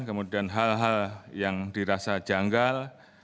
kemudian hal hal yang dirasa janggal